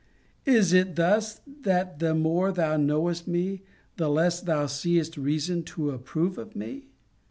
Is it thus, that the more thou knowest me, the less thou seest reason to approve of me?